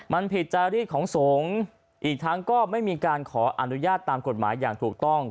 มันผิดจารีดของสงฆ์อีกทั้งก็ไม่มีการขออนุญาตตามกฎหมายอย่างถูกต้อง